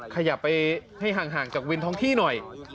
ขยับไปให้ห่างจากวินท้องที่หน่อย